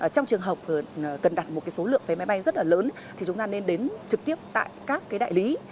trong trường hợp cần đặt một số lượng vé máy bay rất là lớn thì chúng ta nên đến trực tiếp tại các cái đại lý